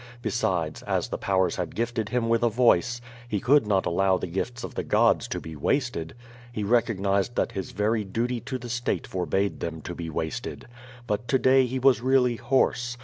Besides, as the powers had gifted him with a voice, he could not allow the gifts of the gods to be wasted. He recognized that his very duty to the state forbade them to be wasted. But to day he was really hoarse.